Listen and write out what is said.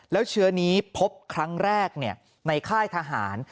แล้วเชื้อนี้พบครั้งแรกในค่ายทหาร